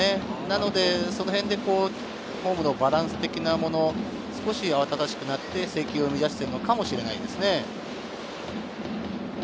そのへんでフォームのバランス的なもの、少し慌ただしくなって制球を乱してるのかもしれないですね。